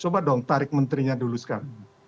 coba dong tarik menterinya dulu sekarang